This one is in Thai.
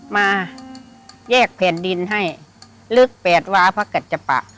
มาแยกเพล็นดินให้ลึกแปดหวาภาคกัจจปะ